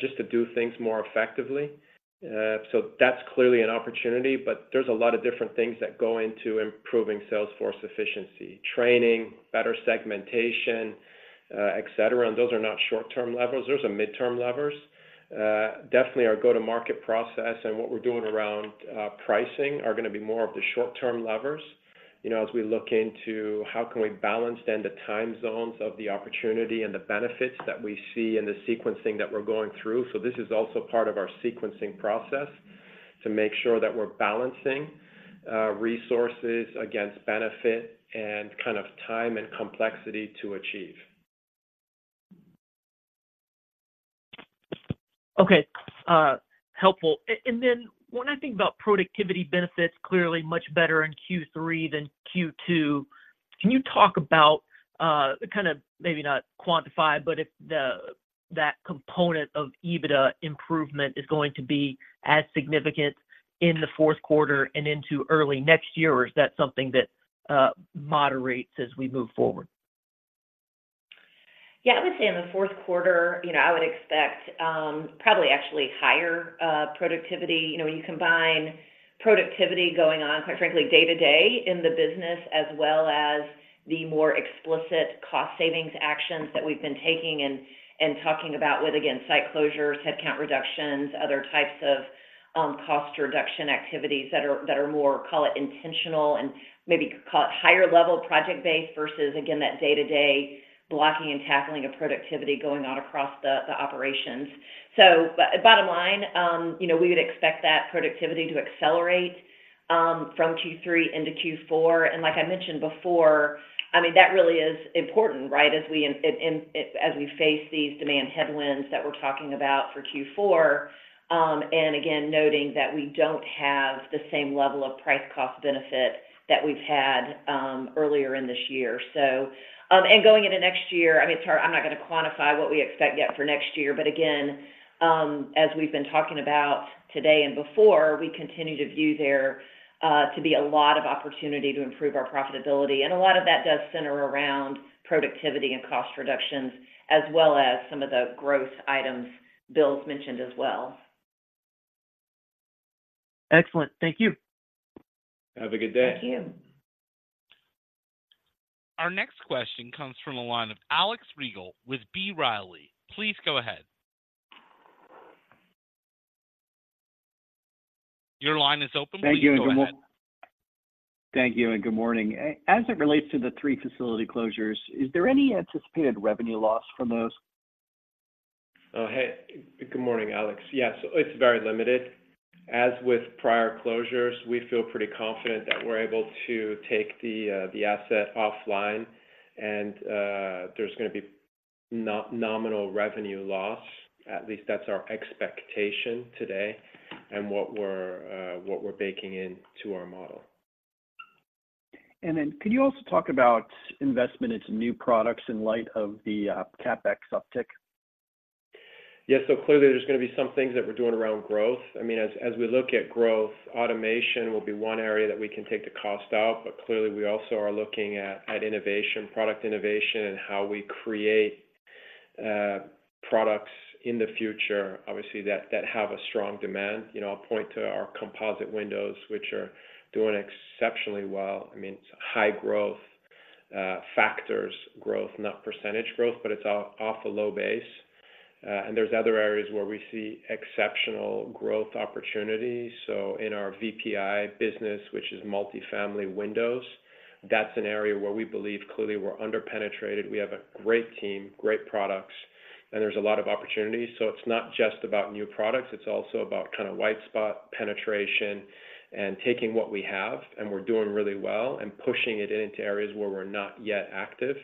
just to do things more effectively. So that's clearly an opportunity, but there's a lot of different things that go into improving sales force efficiency: training, better segmentation, et cetera. And those are not short-term levers. Those are midterm levers. Definitely, our go-to-market process and what we're doing around, pricing are gonna be more of the short-term levers, you know, as we look into how can we balance then the time zones of the opportunity and the benefits that we see and the sequencing that we're going through. So this is also part of our sequencing process, to make sure that we're balancing, resources against benefit and kind of time and complexity to achieve. Okay, helpful. And then when I think about productivity benefits, clearly much better in Q3 than Q2. Can you talk about, kind of maybe not quantify, but if that component of EBITDA improvement is going to be as significant in the fourth quarter and into early next year, or is that something that moderates as we move forward? Yeah, I would say in the fourth quarter, you know, I would expect probably actually higher productivity. You know, when you combine productivity going on, quite frankly, day-to-day in the business, as well as the more explicit cost savings actions that we've been taking and talking about, with, again, site closures, headcount reductions, other types of cost reduction activities that are more, call it intentional and maybe call it higher level project-based versus, again, that day-to-day blocking and tackling of productivity going on across the operations. Bottom line, you know, we would expect that productivity to accelerate from Q3 into Q4. And like I mentioned before, I mean, that really is important, right? As we in, in, in, as we face these demand headwinds that we're talking about for Q4. And again, noting that we don't have the same level of price cost benefit that we've had earlier in this year. So, and going into next year, I mean, it's hard—I'm not going to quantify what we expect yet for next year, but again, as we've been talking about today and before, we continue to view there to be a lot of opportunity to improve our profitability. And a lot of that does center around productivity and cost reductions, as well as some of the growth items Bill's mentioned as well. Excellent. Thank you. Have a good day. Thank you. Our next question comes from the line of Alex Rygiel with B. Riley. Please go ahead. Your line is open. Thank you, and good mor- Please go ahead. Thank you, and good morning. As it relates to the three facility closures, is there any anticipated revenue loss from those? Oh, hey. Good morning, Alex. Yes, it's very limited. As with prior closures, we feel pretty confident that we're able to take the asset offline, and there's going to be nominal revenue loss. At least that's our expectation today and what we're baking into our model. And then could you also talk about investment into new products in light of the CapEx uptick? Yes. So clearly, there's going to be some things that we're doing around growth. I mean, as we look at growth, automation will be one area that we can take the cost out, but clearly, we also are looking at innovation, product innovation, and how we create products in the future, obviously, that have a strong demand. You know, I'll point to our composite windows, which are doing exceptionally well. I mean, it's high growth, fastest growth, not percentage growth, but it's off a low base. And there's other areas where we see exceptional growth opportunities. So in our VPI business, which is multifamily windows, that's an area where we believe clearly we're underpenetrated. We have a great team, great products, and there's a lot of opportunities. So it's not just about new products, it's also about kind of white spot penetration and taking what we have, and we're doing really well and pushing it into areas where we're not yet active.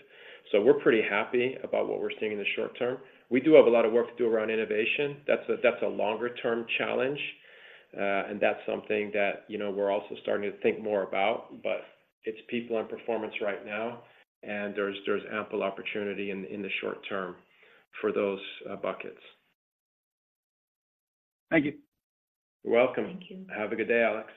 So we're pretty happy about what we're seeing in the short term. We do have a lot of work to do around innovation. That's a, that's a longer-term challenge, uh, and that's something that, you know, we're also starting to think more about, but it's people and performance right now, and there's, there's ample opportunity in, in the short term for those, uh, buckets. Thank you. You're welcome. Thank you. Have a good day, Alex.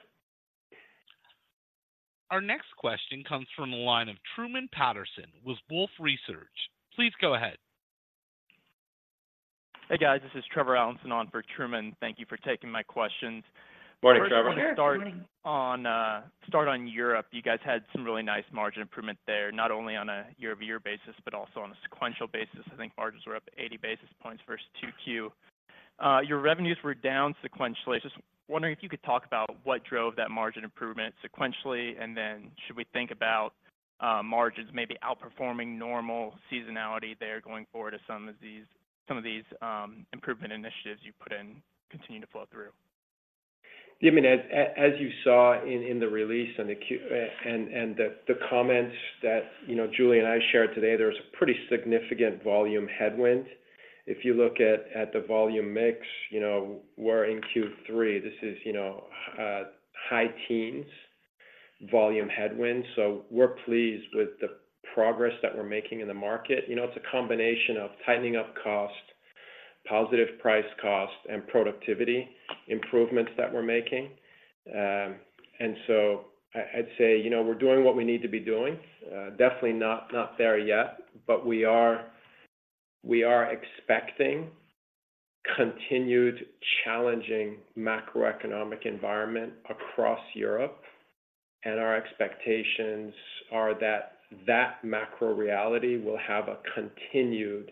Our next question comes from the line of Truman Patterson with Wolfe Research. Please go ahead. Hey, guys, this is Trevor Allinson on for Truman. Thank you for taking my questions. Morning, Trevor. Good morning. Start on, uh, start on Europe. You guys had some really nice margin improvement there, not only on a year-over-year basis, but also on a sequential basis. I think margins were up eighty basis points versus Q2. Uh, your revenues were down sequentially. Just wondering if you could talk about what drove that margin improvement sequentially, and then should we think about, uh, margins maybe outperforming normal seasonality there going forward as some of these, some of these, um, improvement initiatives you put in continue to flow through? Yeah, I mean, as, a- as you saw in, in the release and the Q... uh, and, and the, the comments that, you know, Julie and I shared today, there was a pretty significant volume headwind. If you look at, at the volume mix, you know, we're in Q3, this is, you know, uh, high teens volume headwind. So we're pleased with the progress that we're making in the market. You know, it's a combination of tightening up cost, positive price-cost, and productivity improvements that we're making. Um, and so I, I'd say, you know, we're doing what we need to be doing. Uh, definitely not, not there yet, but we are, we are expecting continued challenging macroeconomic environment across Europe, and our expectations are that, that macro reality will have a continued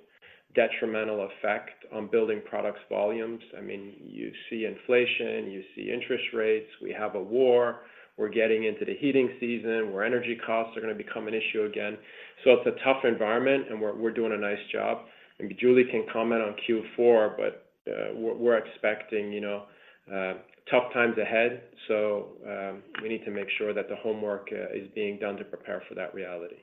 detrimental effect on building products volumes. I mean, you see inflation, you see interest rates, we have a war. We're getting into the heating season, where energy costs are going to become an issue again. So it's a tough environment, and we're doing a nice job. And Julie can comment on Q4, but we're expecting, you know, tough times ahead, so we need to make sure that the homework is being done to prepare for that reality.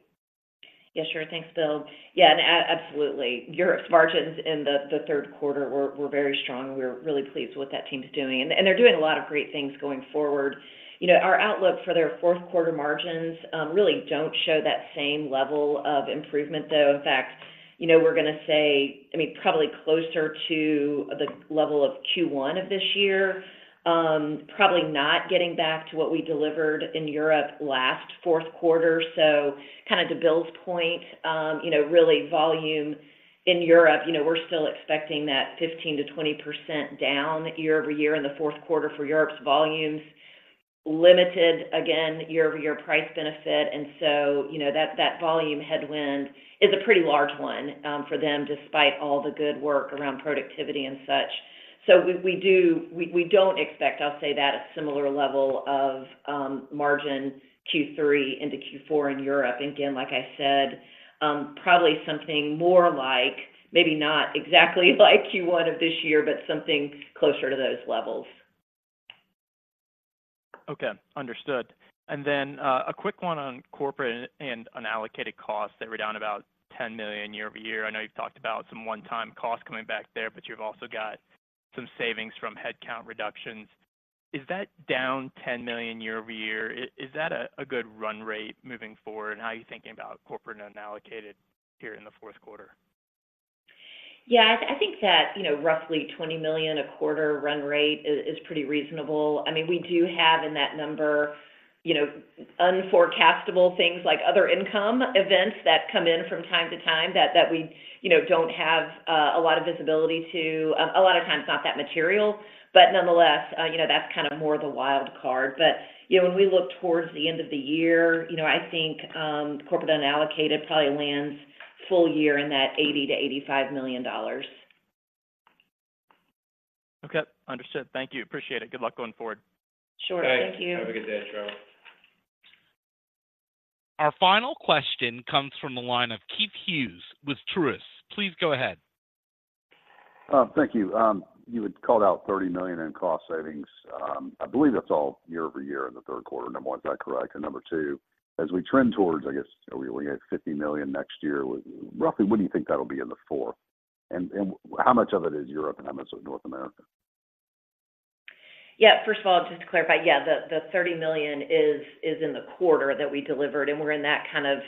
Yeah, sure. Thanks, Bill. Yeah, and a- absolutely. Europe's margins in the, the third quarter were, were very strong. We're really pleased with what that team is doing, and, and they're doing a lot of great things going forward. You know, our outlook for their fourth quarter margins, um, really don't show that same level of improvement, though. In fact, you know, we're going to say, I mean, probably closer to the level of Q1 of this year, um, probably not getting back to what we delivered in Europe last fourth quarter. So kind of to Bill's point, um, you know, really volume in Europe, you know, we're still expecting that fifteen to twenty percent down year over year in the fourth quarter for Europe's volumes.... limited, again, year-over-year price benefit. You know, that volume headwind is a pretty large one for them, despite all the good work around productivity and such. We don't expect, I'll say that, a similar level of margin Q3 into Q4 in Europe. Again, like I said, probably something more like, maybe not exactly like Q1 of this year, but something closer to those levels. Okay, understood. And then, a quick one on corporate and unallocated costs. They were down about $10 million year-over-year. I know you've talked about some one-time costs coming back there, but you've also got some savings from headcount reductions. Is that down $10 million year-over-year? Is that a good run rate moving forward? And how are you thinking about corporate and unallocated here in the fourth quarter? Yeah, I think that, you know, roughly $20 million a quarter run rate is pretty reasonable. I mean, we do have in that number, you know, unforecastable things like other income events that come in from time to time that we, you know, don't have a lot of visibility to. A lot of times not that material, but nonetheless, you know, that's kind of more the wild card. But, you know, when we look towards the end of the year, you know, I think corporate unallocated probably lands full year in that $80-$85 million. Okay, understood. Thank you. Appreciate it. Good luck going forward. Sure. Thank you. Have a good day, Trevor. Our final question comes from the line of Keith Hughes with Truist. Please go ahead. Thank you. You had called out $30 million in cost savings. I believe that's all year-over-year in the third quarter. Number one, is that correct? And number two, as we trend towards, I guess, we only have $50 million next year, roughly, what do you think that'll be in the fourth? And how much of it is Europe, and how much of it North America? Yeah, first of all, just to clarify, yeah, the thirty million is in the quarter that we delivered, and we're in that kind of,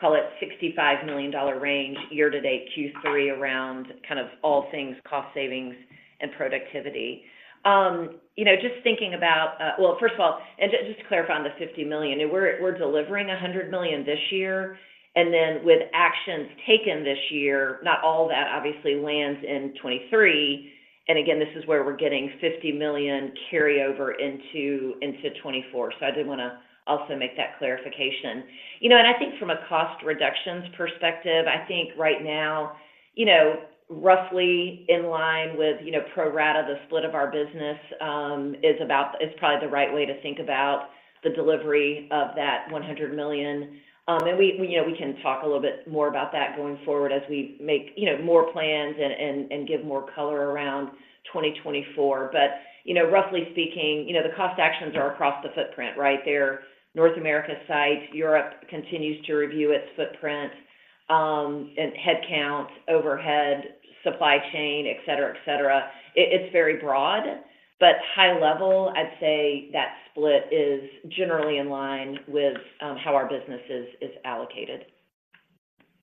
call it, $65 million range year-to-date, Q3, around kind of all things cost savings and productivity. You know, just thinking about... Well, first of all, just to clarify on the $50 million, we're delivering $100 million this year, and then with actions taken this year, not all that obviously lands in 2023. And again, this is where we're getting $50 million carryover into 2024. So I did wanna also make that clarification. You know, and I think from a cost reductions perspective, I think right now, you know, roughly in line with, you know, pro rata, the split of our business, um, is about-- is probably the right way to think about the delivery of that one hundred million. Um, and we, you know, we can talk a little bit more about that going forward as we make, you know, more plans and, and, and give more color around 2024. But, you know, roughly speaking, you know, the cost actions are across the footprint, right? They're North America side, Europe continues to review its footprint, um, and headcounts, overhead, supply chain, et cetera, et cetera. It, it's very broad, but high level, I'd say that split is generally in line with, um, how our business is, is allocated.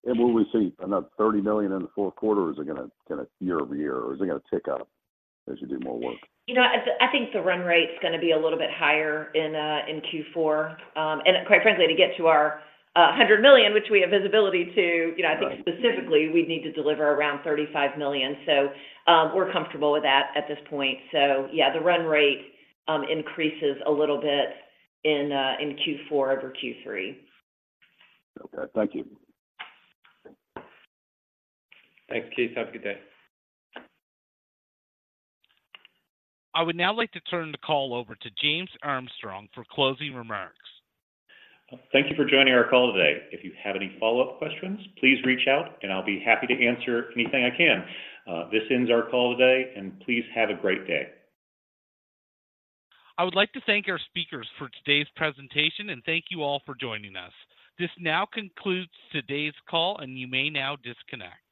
And will we see another thirty million in the fourth quarter, is it gonna, gonna year over year, or is it gonna tick up as you do more work? You know, I, I think the run rate's gonna be a little bit higher in Q4. And quite frankly, to get to our $100 million, which we have visibility to, you know, I think specifically- Right... we'd need to deliver around $35 million. So, we're comfortable with that at this point. So yeah, the run rate increases a little bit in Q4 over Q3. Okay. Thank you. Thanks, Keith. Have a good day. I would now like to turn the call over to James Armstrong for closing remarks. Thank you for joining our call today. If you have any follow-up questions, please reach out, and I'll be happy to answer anything I can. This ends our call today, and please have a great day. I would like to thank our speakers for today's presentation, and thank you all for joining us. This now concludes today's call, and you may now disconnect.